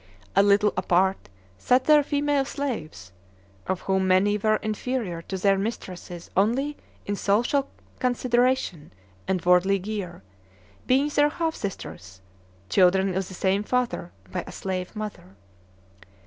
A little apart sat their female slaves, of whom many were inferior to their mistresses only in social consideration and worldly gear, being their half sisters, children of the same father by a slave mother.